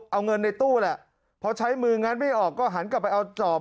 เอาเงินในตู้แหละพอใช้มืองัดไม่ออกก็หันกลับไปเอาจอบ